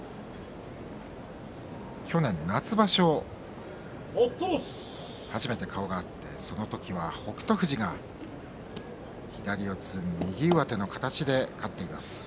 去年の夏場所、初めて顔が合ってその時は北勝富士が左四つ右上手の形で勝っています。